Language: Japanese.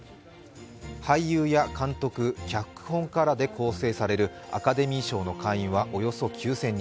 俳優や監督、脚本家らで構成されるアカデミー賞の会員はおよそ９０００人。